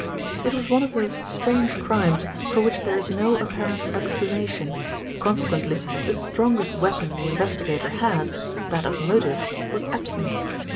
It was one of those strange crimes for which there is no apparent explanation, consequently the strongest weapon the investigator has, that of motive, was absent.